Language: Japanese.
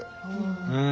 うん。